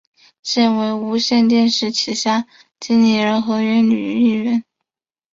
现为无线电视旗下经理人合约女艺员。